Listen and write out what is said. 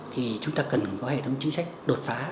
thì chúng ta cần có hệ thống chính sách đột phá